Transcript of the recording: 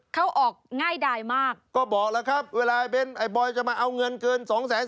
เขาออกง่ายได้มากก็บอกแล้วครับเวลาไอ้เบนท์ไอบอยจะมาเอาเงินเกิน๒๐๐๐๐๐๐